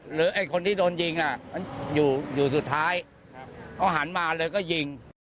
หรือไอ้คนที่โดนยิงน่ะอยู่อยู่สุดท้ายครับเขาหันมาเลยก็ยิง